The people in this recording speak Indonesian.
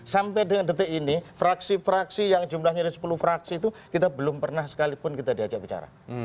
sampai dengan detik ini fraksi fraksi yang jumlahnya ada sepuluh fraksi itu kita belum pernah sekalipun kita diajak bicara